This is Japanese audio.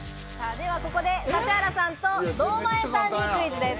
ではここで指原さんと堂前さんにクイズです。